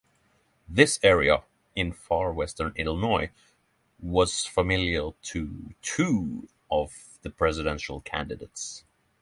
This area, in far western Illinois, was familiar to two of the Presidential candidates.